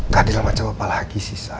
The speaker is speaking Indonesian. keadilan macam apa lagi sisa